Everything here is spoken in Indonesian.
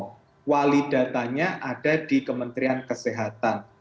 wali datanya ada di kementerian kesehatan